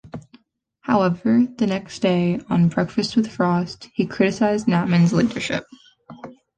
However, the next day, on "Breakfast with Frost", he criticised Knapman's leadership.